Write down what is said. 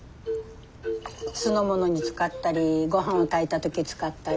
酢のものに使ったりごはんを炊いた時使ったり。